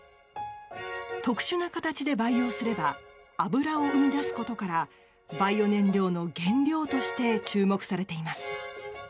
特殊な形で培養すれば油を生み出すことからバイオ燃料の原料として注目されています。